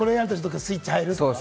スイッチ入るというか。